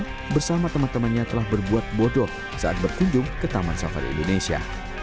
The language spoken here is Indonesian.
dan bersama teman temannya telah berbuat bodoh saat berkunjung ke taman safari indonesia